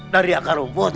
dari akar robot